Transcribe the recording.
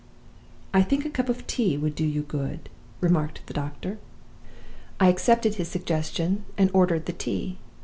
"'I think a cup of tea would do you good,' remarked the doctor. "I accepted his suggestion; and he ordered the tea.